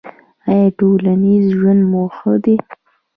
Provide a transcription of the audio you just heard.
ایا ټولنیز ژوند مو ښه دی؟